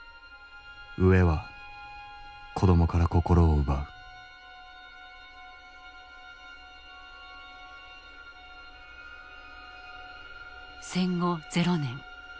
飢えは子どもから心を奪う戦後ゼロ年。